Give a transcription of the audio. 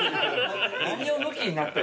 何をむきになってる。